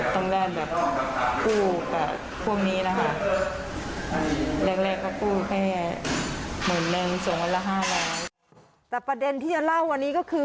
แต่ประเด็นที่จะเล่าวันนี้ก็คือ